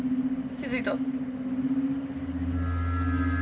気付いた。